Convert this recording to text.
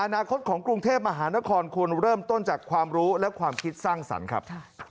อนาคตของกรุงเทพมหานครควรเริ่มต้นจากความรู้และความคิดสร้างสรรค์ครับ